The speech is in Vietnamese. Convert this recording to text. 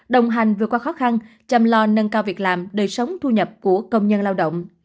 đồng hành vượt qua khó khăn chăm lo nâng cao việc làm đời sống thu nhập của công nhân lao động